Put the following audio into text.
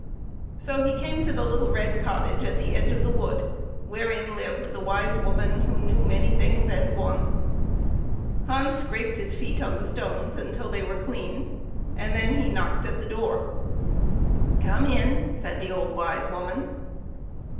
So he came to the little red cottage at the edge of the wood wherein lived the wise woman who knew many things and one. Hans scraped his feet on the stones until they were clean, and then he knocked at the door. " Come in," said the old wise woman.